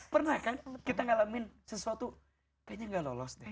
pernah kan kita ngalamin sesuatu kayaknya gak lolos deh